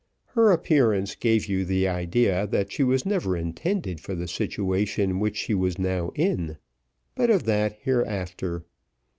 Her appearance gave you the idea that she was never intended for the situation which she was now in; but of that hereafter.